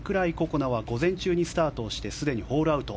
那は午前中にスタートしてすでにホールアウト。